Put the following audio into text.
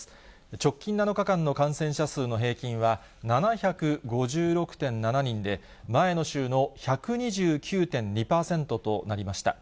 直近７日間の感染者数の平均は７５６．７人で、前の週の１２９．２％となりました。